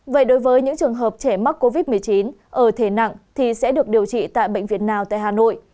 vậy đối với những trường hợp trẻ mắc covid một mươi chín ở thể nặng thì sẽ được điều trị tại bệnh viện nào tại hà nội